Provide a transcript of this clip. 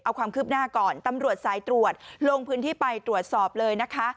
เอาความคืบหน้าก่อนตำรวจสายตรวจลงพื้นที่ไปตรวจสอบเลยนะคะ